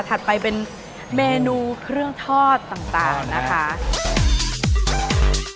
ถัดไปเป็นเมนูเครื่องทอดต่างนะคะ